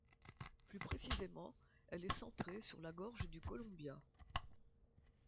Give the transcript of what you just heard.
Plus précisément, elle est centrée sur la gorge du Columbia.